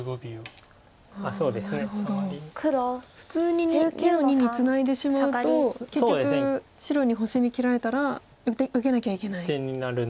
普通に２の二にツナいでしまうと結局白に星に切られたら受けなきゃいけない。